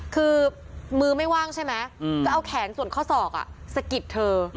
คือมือไม่ว่างใช่ไหมจะเอาแขนส่วนข้อศอกสะกิดเธอ